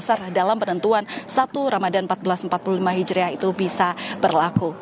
dasar dalam penentuan satu ramadan seribu empat ratus empat puluh lima hijriah itu bisa berlaku